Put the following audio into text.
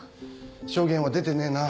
証言は出てねえな。